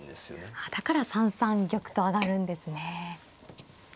ああだから３三玉と上がるんですね。